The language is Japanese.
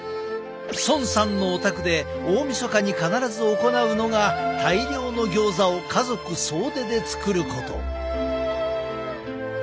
孫さんのお宅で大みそかに必ず行うのが大量のギョーザを家族総出で作ること。